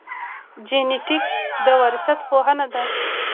جینېټیک د وراثت پوهنه ده